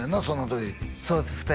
その時そうです